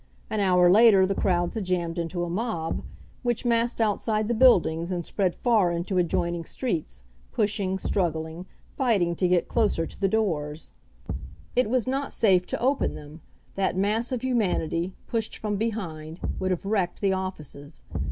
An hour later the crowds had jammed into a mob, which massed outside the buildings and spread far into adjoining streets, pushing, struggling, fighting to get closer to the doors. 152 HENRY FORD'S OWN STORY It was not safe to open them. That mass of humanity, pushed from behind, would have wrecked the offices.